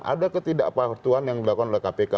ada ketidakpahatuan yang dilakukan oleh kpk